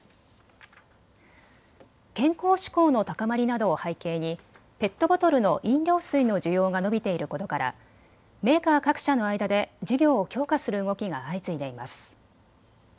健康志向の高まりなどを背景にペットボトルの飲料水の需要が伸びていることからメーカー各社の間で事業を強化する動きが相次いでいます。